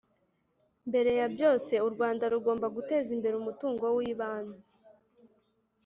mbere ya byose, u rwanda rugomba guteza imbere umutungo w'ibanze